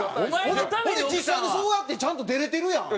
ほんで実際にそうやってちゃんと出れてるやん。